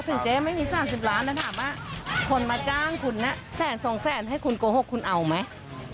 เจ๊ไม่มี๓๐ล้านแล้วถามว่าคนมาจ้างคุณแสนสองแสนให้คุณโกหกคุณเอาไหม